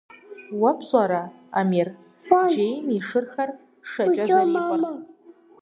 Уэ пщӀэрэ, Амир, джейм и шырхэр шэкӀэ зэрипӀыр?